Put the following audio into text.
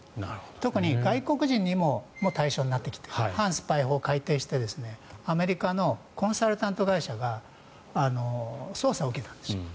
特に外国人も対象になってきて反スパイ法を改定してアメリカのコンサルタント会社が捜査を受けたんです。